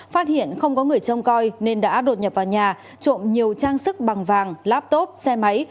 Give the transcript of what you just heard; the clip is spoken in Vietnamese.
phát hiện không có người trông coi nên đã đột nhập vào nhà trộm nhiều trang sức bằng vàng laptop xe máy